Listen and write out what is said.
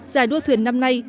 giải đua thuyền năm nay